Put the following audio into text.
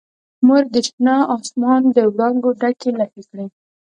مور یې د شنه اسمان دوړانګو ډکې لپې کړي